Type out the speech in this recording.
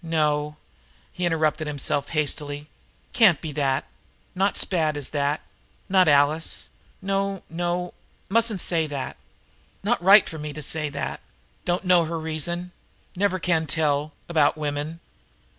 No," he interrupted himself hastily, "can't be that not s'bad s' that not Alice no, no, mustn't say that not right for me to say that don't know her reason never can tell about women.